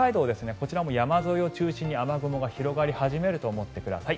こちらも山沿いを中心に雨雲が広がり始めると思ってください。